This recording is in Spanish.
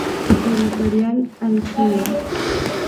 Editorial Alsina.